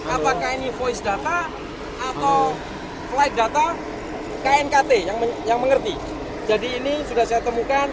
apakah ini voice data atau flight data knkt yang mengerti jadi ini sudah saya temukan